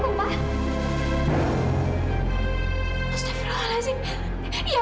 terima kasih pak assalamualaikum